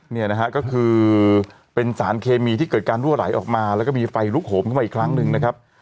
เนี่ยนะฮะก็คือเป็นสารเคมีที่เกิดการรั่วไหลออกมาแล้วก็มีไฟลุกโหมเข้ามาอีกครั้งหนึ่งนะครับ